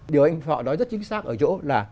điều anh họ nói rất chính xác ở chỗ là